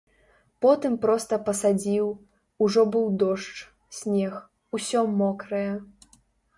Потым проста пасадзіў, ужо быў дождж, снег, усё мокрае.